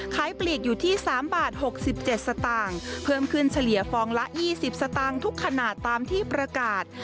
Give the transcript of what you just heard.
ปลีกอยู่ที่๓บาท๖๗สตางค์เพิ่มขึ้นเฉลี่ยฟองละ๒๐สตางค์ทุกขนาดตามที่ประกาศ